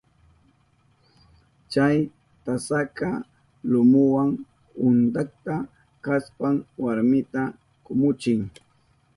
Chay tasaka lumuwa untakta kashpan warmita kumuchin.